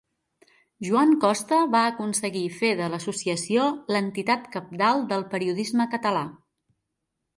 Joan Costa va aconseguir fer de l'associació l'entitat cabdal del periodisme català.